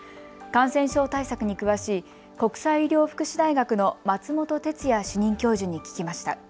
感染症対策に詳しい国際医療福祉大学の松本哲哉主任教授に聞きました。